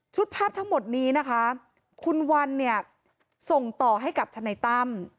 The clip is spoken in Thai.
ชุดภาพทั้งหมดนี้นะคะคุณวันส่งต่อให้กับทนัยต้ำ